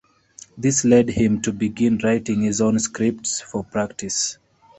This led him to begin writing his own scripts for practice.